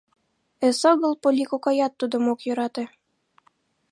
Эсогыл Полли кокаят тудым ок йӧрате.